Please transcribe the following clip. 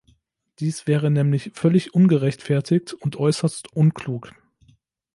Dies wäre nämlich völlig ungerechtfertigt und äußerst unklug.